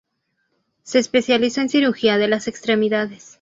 Se especializó en Cirugía de las extremidades.